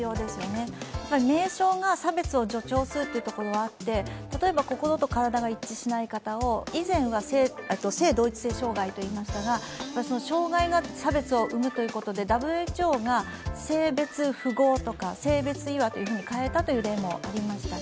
名称が差別を助長するということがあって例えば、心と体が一致しない方を以前は性同一性障害といいましたが、「障害」が差別を生むということで、ＷＨＯが性別違和と変えたという例もありました。